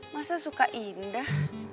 masa suka indah